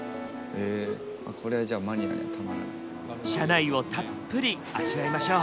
車内をたっぷり味わいましょう。